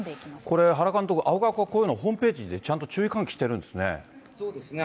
これ、原監督、青学はこういうのホームページでちゃんと注意そうですね。